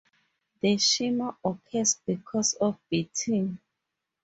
The shimmer occurs because of beating.